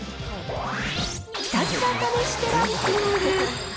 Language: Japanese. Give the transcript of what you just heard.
ひたすら試してランキング。